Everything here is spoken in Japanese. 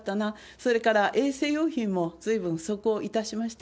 それから、衛生用品もずいぶん不足をいたしました。